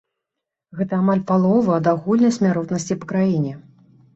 Гэта амаль палова ад агульнай смяротнасці па краіне.